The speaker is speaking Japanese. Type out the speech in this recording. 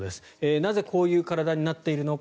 なぜ、こういう体になっているのか。